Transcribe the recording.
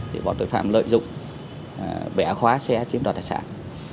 thì bọn tội phạm lợi dụng bẻ khóa xe chiếm đoạt tài sản